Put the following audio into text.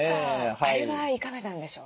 あれはいかがなんでしょう？